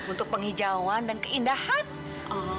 untuk penghijauan dan kesehatan